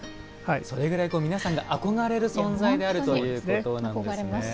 それぐらい皆さんが憧れる存在ということなんですね。